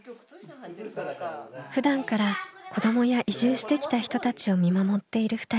ふだんから子どもや移住してきた人たちを見守っている２人。